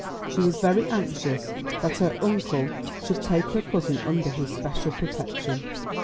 She was very anxious that her uncle should take her cousin under his special protection.